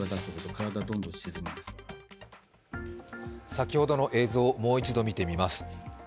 先ほどの映像をもう一度見てみます。